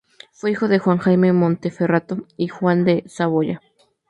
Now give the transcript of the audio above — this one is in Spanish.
Fue hijo de Juan Jaime de Montferrato y Juana de Saboya.